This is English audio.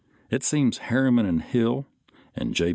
It seems Harriman and Hill and J.